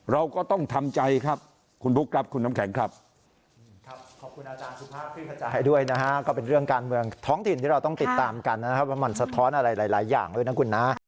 เราก็ต้องทำใจครับคุณบุ๊คครับคุณน้ำแข็งครับ